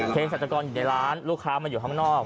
เกษตรกรอยู่ในร้านลูกค้ามาอยู่ข้างนอก